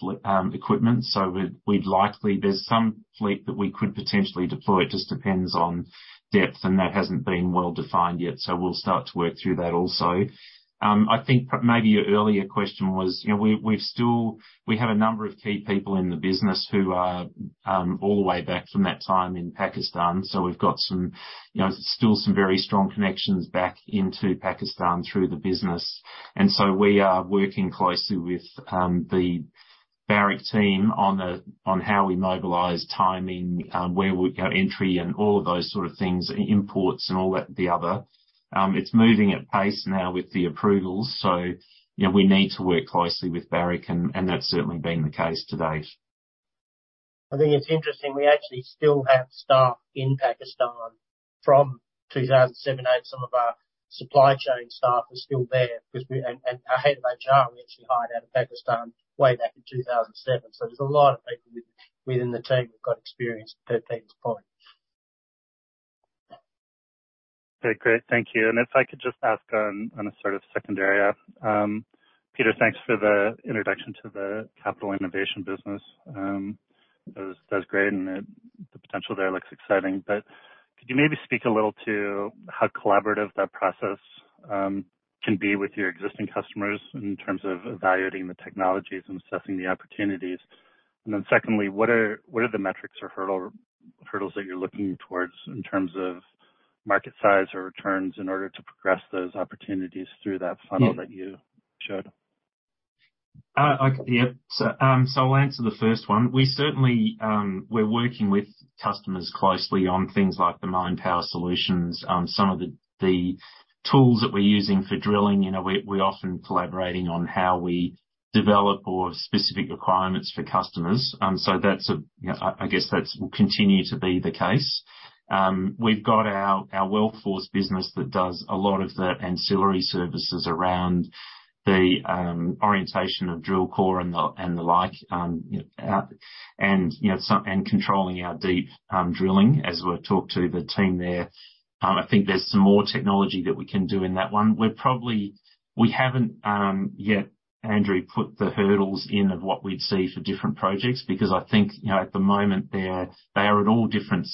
equipment. There's some fleet that we could potentially deploy. It just depends on depth, and that hasn't been well defined yet. We'll start to work through that also. I think maybe your earlier question was, you know, we have a number of key people in the business who are all the way back from that time in Pakistan. We've got some, you know, still some very strong connections back into Pakistan through the business. We are working closely with the Barrick team on how we mobilize timing, where our entry and all of those sort of things, imports and all that, the other. It's moving at pace now with the approvals. You know, we need to work closely with Barrick, and that's certainly been the case to date. I think it's interesting, we actually still have staff in Pakistan from 2007, 8. Some of our supply chain staff are still there because and our head of HR we actually hired out of Pakistan way back in 2007. There's a lot of people within the team who've got experience with that team's point. Okay, great. Thank you. If I could just ask on a sort of second area. Peter, thanks for the introduction to the Capital Innovation business. That was, that was great, and the potential there looks exciting. Could you maybe speak a little to how collaborative that process can be with your existing customers in terms of evaluating the technologies and assessing the opportunities? Then secondly, what are the metrics or hurdles that you're looking towards in terms of market size or returns in order to progress those opportunities through that funnel that you showed? Okay, yeah. I'll answer the first one. We certainly, we're working with customers closely on things like the mine power solutions. Some of the tools that we're using for drilling, you know, we're often collaborating on how we develop or specific requirements for customers. That's a, you know, I guess that will continue to be the case. We've got our Well Force business that does a lot of the ancillary services around the orientation of drill core and the like, you know, and controlling our deep drilling as we talk to the team there. I think there's some more technology that we can do in that one. We haven't yet, Andrew, put the hurdles in of what we'd see for different projects because I think, you know, at the moment they're, they are at all different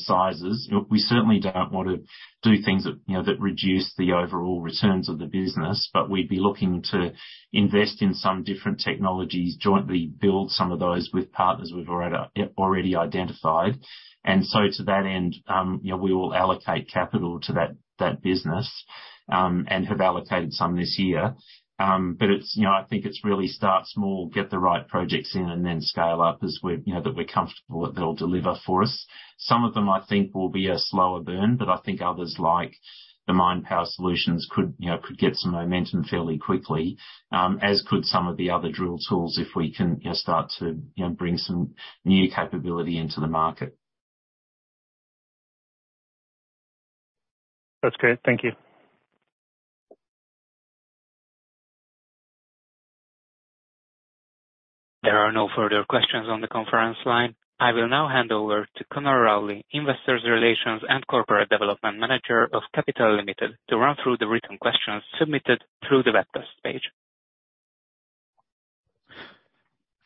sizes. Look, we certainly don't want to do things that, you know, that reduce the overall returns of the business, but we'd be looking to invest in some different technologies, jointly build some of those with partners we've already identified. To that end, you know, we will allocate capital to that business, and have allocated some this year. It's, you know, I think it's really start small, get the right projects in and then scale up as we're, you know, that we're comfortable that they'll deliver for us. Some of them I think will be a slower burn, but I think others, like the mine power solutions, could, you know, could get some momentum fairly quickly, as could some of the other drill tools if we can, you know, start to, you know, bring some new capability into the market. That's great. Thank you. There are no further questions on the conference line. I will now hand over to Conor Rowley, Investor Relations and Corporate Development Manager of Capital Limited, to run through the written questions submitted through the webcast page.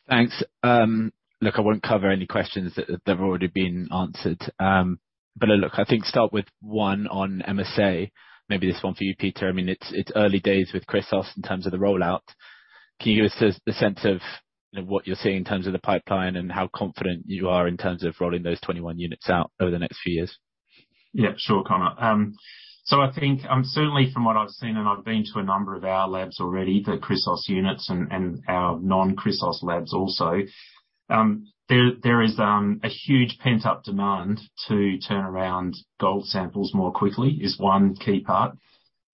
Thanks. Look, I won't cover any questions that have already been answered. Look, I think start with one on MSA. Maybe this one for you, Peter. I mean, it's early days with Chrysos in terms of the rollout. Can you give us the sense of what you're seeing in terms of the pipeline and how confident you are in terms of rolling those 21 units out over the next few years? Yeah, sure, Conor. I think, certainly from what I've seen, and I've been to a number of our labs already, the Chrysos units and our non-Chrysos labs also, there is a huge pent-up demand to turn around gold samples more quickly is one key part.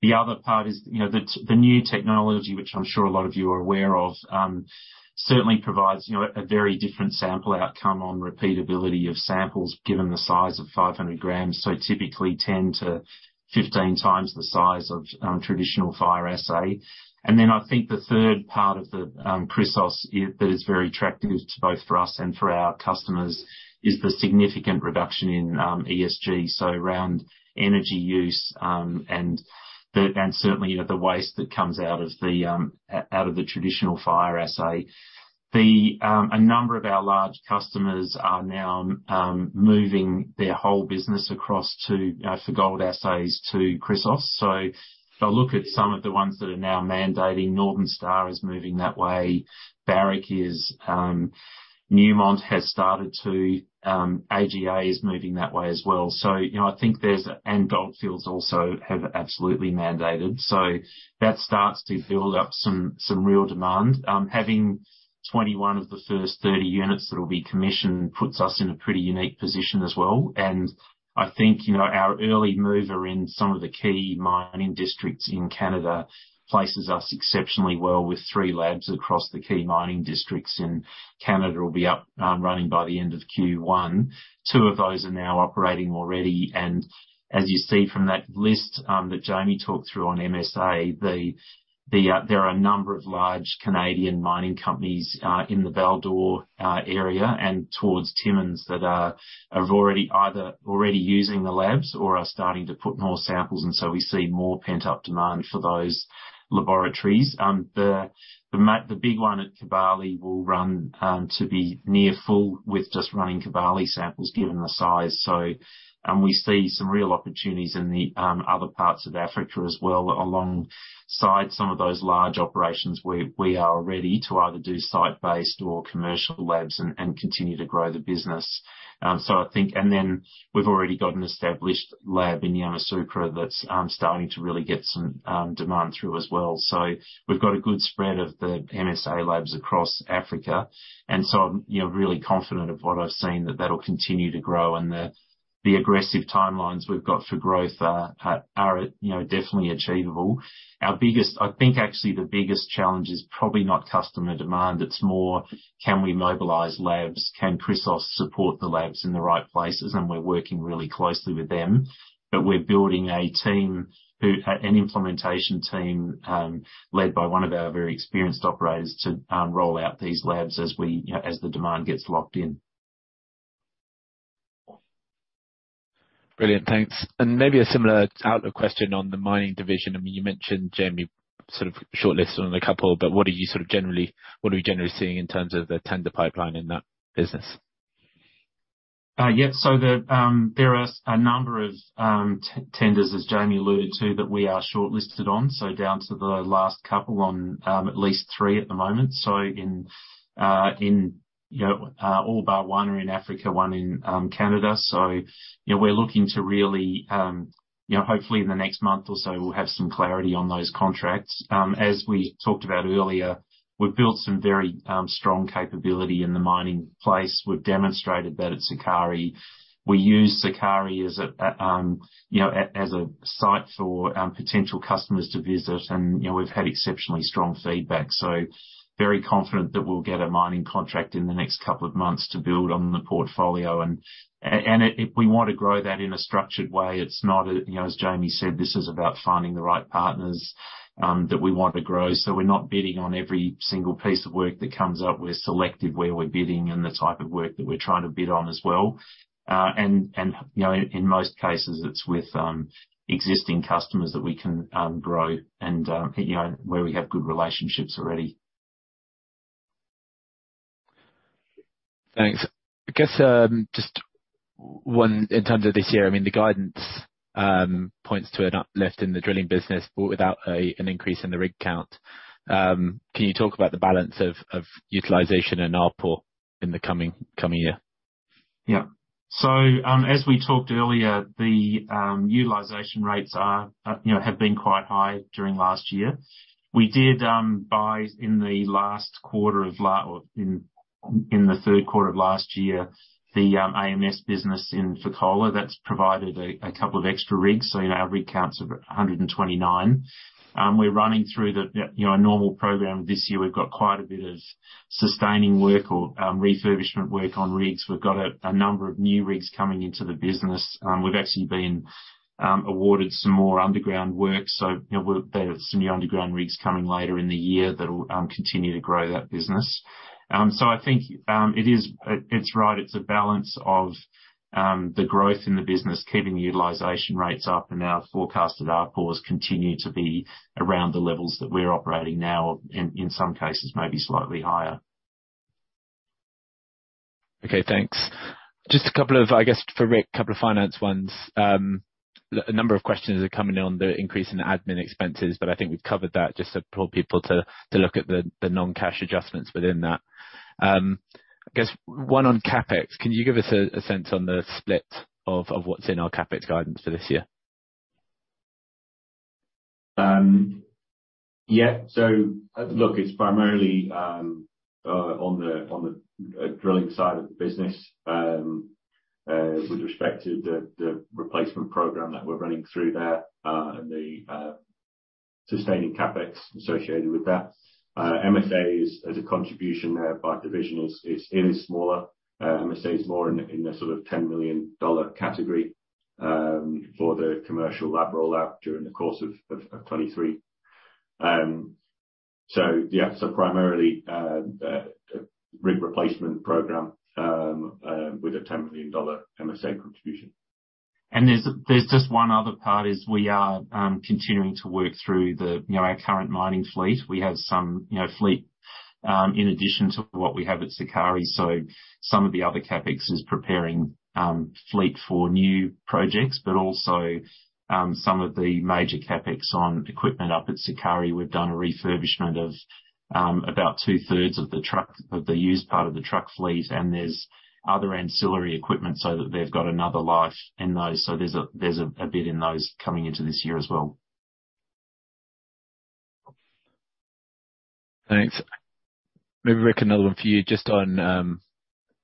The other part is, you know, the new technology, which I'm sure a lot of you are aware of, certainly provides, you know, a very different sample outcome on repeatability of samples given the size of 500 grams, so typically 10-15 times the size of traditional fire assay. I think the third part of the Chrysos that is very attractive to both for us and for our customers is the significant reduction in ESG, so around energy use, and certainly, you know, the waste that comes out of the traditional fire assay. A number of our large customers are now moving their whole business across for gold assays to Chrysos. If I look at some of the ones that are now mandating, Northern Star is moving that way. Barrick is. Newmont has started to. AGA is moving that way as well. You know, I think Gold Fields also have absolutely mandated. That starts to build up some real demand. Having 21 of the first 30 units that will be commissioned puts us in a pretty unique position as well. I think, you know, our early mover in some of the key mining districts in Canada places us exceptionally well with three labs across the key mining districts, and Canada will be up and running by the end of Q1. Two of those are now operating already. As you see from that list, that Jamie talked through on MSA, there are a number of large Canadian mining companies in the Val d'Or area and towards Timmins that are already either already using the labs or are starting to put more samples. We see more pent-up demand for those laboratories. The big one at Kibali will run to be near full with just running Kibali samples given the size. We see some real opportunities in the other parts of Africa as well. Alongside some of those large operations we are ready to either do site based or commercial labs and continue to grow the business. Then we've already got an established lab in Yamoussoukro that's starting to really get some demand through as well. We've got a good spread of the MSALABS across Africa. I'm, you know, really confident of what I've seen that that'll continue to grow and the aggressive timelines we've got for growth are, you know, definitely achievable. I think actually the biggest challenge is probably not customer demand. It's more can we mobilize labs? Can Chrysos support the labs in the right places? We're working really closely with them. We're building a team an implementation team led by one of our very experienced operators to roll out these labs as we, you know, as the demand gets locked in. Brilliant. Thanks. Maybe a similar outlook question on the mining division. I mean, you mentioned Jamie, sort of shortlisted on a couple, but what are we generally seeing in terms of the tender pipeline in that business? Yes. The, there are a number of tenders, as Jamie alluded to, that we are shortlisted on. Down to the last couple on, at least three at the moment. In, you know, all bar, one are in Africa, one in Canada. You know, we're looking to really, you know, hopefully in the next month or so we'll have some clarity on those contracts. As we talked about earlier, we've built some very strong capability in the mining place. We've demonstrated that at Sukari. We use Sukari as a, you know, as a site for potential customers to visit. You know, we've had exceptionally strong feedback. Very confident that we'll get a mining contract in the next couple of months to build on the portfolio. If we want to grow that in a structured way, it's not a, you know, as Jamie said, this is about finding the right partners that we want to grow. We're not bidding on every single piece of work that comes up. We're selective where we're bidding and the type of work that we're trying to bid on as well. You know, in most cases it's with existing customers that we can grow and, you know, where we have good relationships already. Thanks. I guess, just one in terms of this year, I mean, the guidance points to an uplift in the drilling business, but without an increase in the rig count. Can you talk about the balance of utilization and output in the coming year? Yeah. As we talked earlier, the utilization rates are, you know, have been quite high during last year. We did buy in the third quarter of last year, the AMS business in Fekola, that's provided a couple of extra rigs. You know, our rig count's 129. We're running through, you know, a normal program this year. We've got quite a bit of sustaining work or refurbishment work on rigs. We've got a number of new rigs coming into the business. We've actually been awarded some more underground work, you know, there are some new underground rigs coming later in the year that'll continue to grow that business. I think it's right. It's a balance of the growth in the business, keeping the utilization rates up and our forecasted output continue to be around the levels that we're operating now, in some cases maybe slightly higher. Okay, thanks. Just a couple of I guess for Rick, a couple of finance ones. A number of questions are coming on the increase in admin expenses, but I think we've covered that just to pull people to look at the non-cash adjustments within that. I guess one on CapEx. Can you give us a sense on the split of what's in our CapEx guidance for this year? It's primarily on the drilling side of the business with respect to the replacement program that we're running through there and the sustaining CapEx associated with that. MSA as a contribution there by division is smaller. MSA is more in the sort of $10 million category for the commercial lab rollout during the course of 2023. Primarily a rig replacement program with a $10 million MSA contribution. There's just one other part is we are continuing to work through the, you know, our current mining fleet. We have some, you know, fleet in addition to what we have at Sukari. Some of the other CapEx is preparing fleet for new projects, but also some of the major CapEx on equipment up at Sukari, we've done a refurbishment of about two-thirds of the truck, of the used part of the truck fleet. There's other ancillary equipment so that they've got another life in those. There's a bit in those coming into this year as well. Thanks. Maybe Rick, another one for you just on,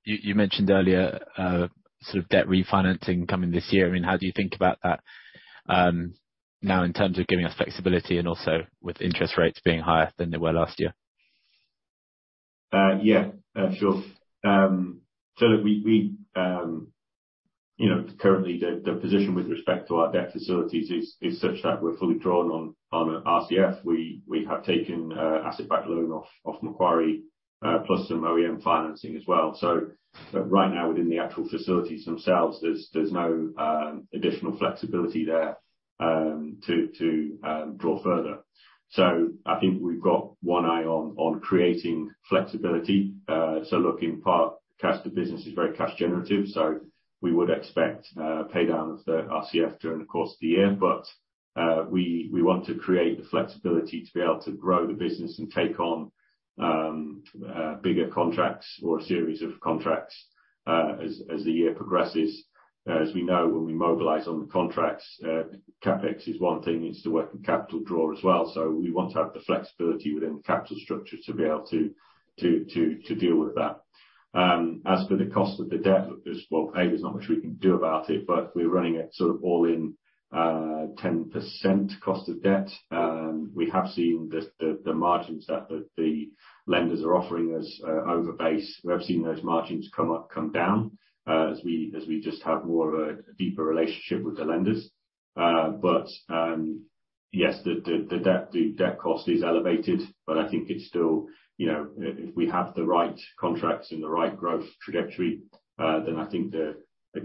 you mentioned earlier, sort of debt refinancing coming this year. I mean, how do you think about that now in terms of giving us flexibility and also with interest rates being higher than they were last year? Yeah. Sure. Look, we, you know, currently the position with respect to our debt facilities is such that we're fully drawn on RCF. We have taken asset-backed loan off Macquarie, plus some OEM financing as well. Right now within the actual facilities themselves, there's no additional flexibility there to draw further. I think we've got one eye on creating flexibility. Look, in part, the cash flow business is very cash generative, so we would expect pay down of the RCF during the course of the year. We want to create the flexibility to be able to grow the business and take on bigger contracts or a series of contracts as the year progresses. As we know, when we mobilize on the contracts, CapEx is one thing. Needs to work in capital draw as well. We want to have the flexibility within the capital structure to be able to deal with that. As for the cost of the debt, well, A, there's not much we can do about it, but we're running it sort of all in, 10% cost of debt. We have seen the margins that the lenders are offering us over base. We have seen those margins come down as we just have more of a deeper relationship with the lenders. Yes, the debt cost is elevated, but I think it's still, if we have the right contracts and the right growth trajectory, then I think the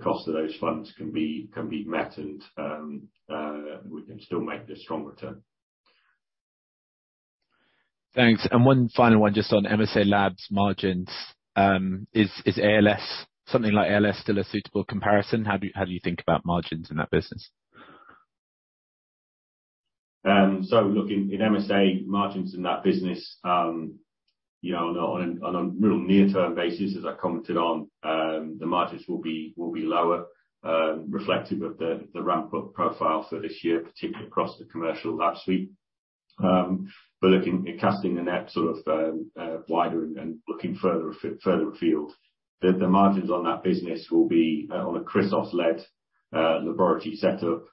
cost of those funds can be met and we can still make the strong return. Thanks. One final one just on MSALABS margins. Is something like ALS still a suitable comparison? How do you think about margins in that business? Look, in MSA margins in that business, you know, on a real near-term basis, as I commented on, the margins will be lower, reflective of the ramp-up profile for this year, particularly across the commercial lab suite. Casting the net sort of, wider and looking further afield, the margins on that business will be on a Chrysos-led laboratory setup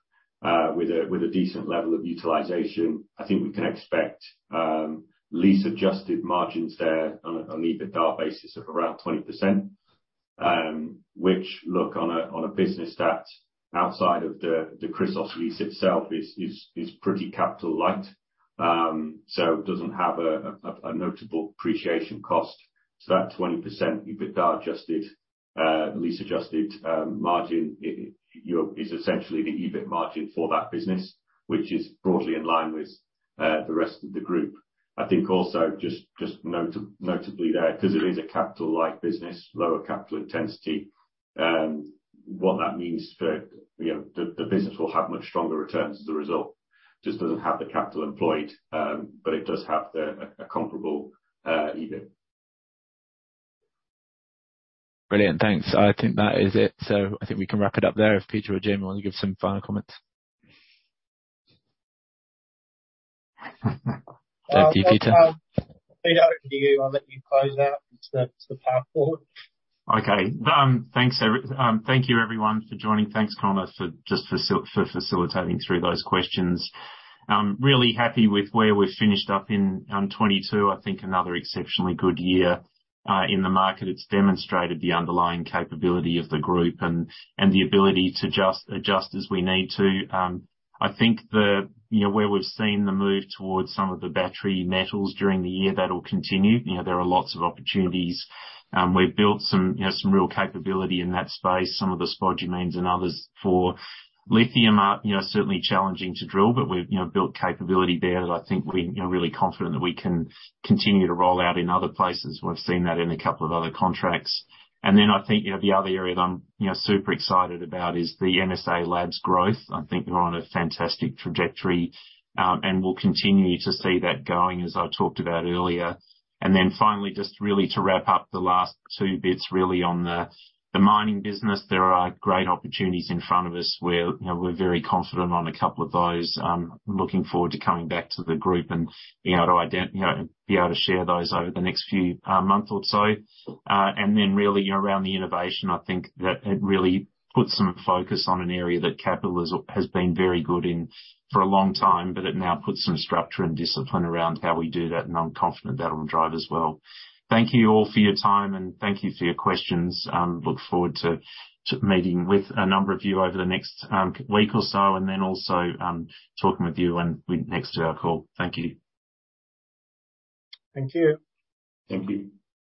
with a decent level of utilization. I think we can expect lease-adjusted margins there on an EBITDA basis of around 20%, which look on a business that's outside of the Chrysos lease itself is pretty capital light. It doesn't have a notable appreciation cost. That 20% EBITDA Adjusted, lease-adjusted margin, you know, is essentially the EBIT margin for that business, which is broadly in line with the rest of the group. I think also just notably there, 'cause it is a capital-like business, lower capital intensity, what that means for, you know, the business will have much stronger returns as a result. Just doesn't have the capital employed, but it does have a comparable EBIT. Brilliant. Thanks. I think that is it. I think we can wrap it up there if Peter or Jim want to give some final comments. Thank you, Peter. Peter, over to you. I'll let you close out the PowerPoint. Okay. Thank you everyone for joining. Thanks, Conor, for just facilitating through those questions. I'm really happy with where we've finished up in 2022. I think another exceptionally good year in the market. It's demonstrated the underlying capability of the group and the ability to just adjust as we need to. I think, you know, where we've seen the move towards some of the battery metals during the year, that'll continue. You know, there are lots of opportunities. We've built some, you know, real capability in that space. Some of the spodumene and others for lithium are, you know, certainly challenging to drill, but we've, you know, built capability there that I think we're, you know, really confident that we can continue to roll out in other places. We've seen that in a couple of other contracts. I think, you know, the other area that I'm, you know, super excited about is the MSALABS growth. I think we're on a fantastic trajectory, and we'll continue to see that going as I talked about earlier. Finally, just really to wrap up the last two bits really on the mining business. There are great opportunities in front of us where, you know, we're very confident on a couple of those. Looking forward to coming back to the group and being able to, you know, being able to share those over the next few months or so. Then really around the innovation, I think that it really puts some focus on an area that Capital has been very good in for a long time, but it now puts some structure and discipline around how we do that, and I'm confident that'll drive as well. Thank you all for your time, and thank you for your questions. Look forward to meeting with a number of you over the next week or so, and then also talking with you when we next to our call. Thank you. Thank you. Thank you.